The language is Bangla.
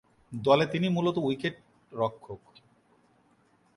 দলে তিনি মূলতঃ উইকেট-রক্ষক।